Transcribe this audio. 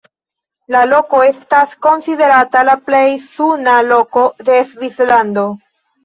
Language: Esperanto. La loko estas konsiderata la plej suna loko de Svislando.